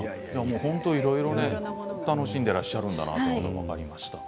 いろいろ楽しんでいらっしゃるんだということが分かりました。